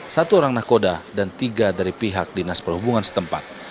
satu orang nakoda dan tiga dari pihak dinas perhubungan setempat